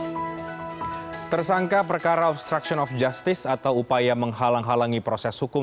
hai tersangka perkara obstruction of justice atau upaya menghalang halangi proses hukum